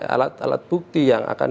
alat alat bukti yang akan